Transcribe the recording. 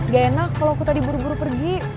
gak enak kalau aku tadi buru buru pergi